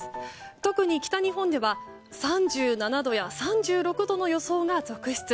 特に北日本では３７度や３６度の予想が続出。